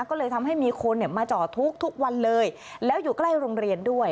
ก็เลยทำให้มีคนเนี่ยมาจอดทุกวันเลยแล้วอยู่ใกล้โรงเรียนด้วย